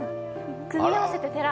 組み合わせて「寺」。